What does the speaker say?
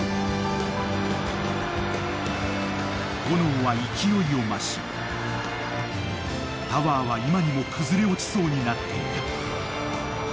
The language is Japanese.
［炎は勢いを増しタワーは今にも崩れ落ちそうになっていた］